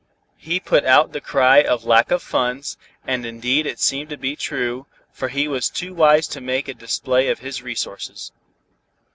He put out the cry of lack of funds, and indeed it seemed to be true, for he was too wise to make a display of his resources.